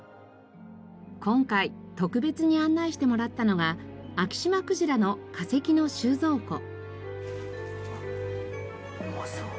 今回特別に案内してもらったのがアキシマクジラの重そう。